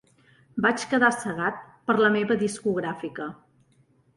Vaig quedar cegat per la meva discogràfica.